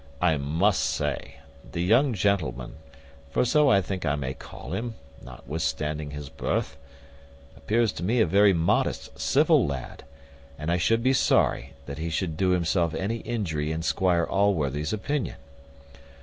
I must say, the young gentleman (for so I think I may call him, notwithstanding his birth) appears to me a very modest, civil lad, and I should be sorry that he should do himself any injury in Squire Allworthy's opinion."